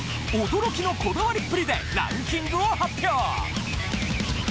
驚きのこだわりっぷりでランキングを発表。